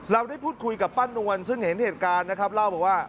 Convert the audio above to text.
เราได้พูดคุยกับป้านวลซึ่งเห็นเหตุการณ์นะครับเล่าบอกว่า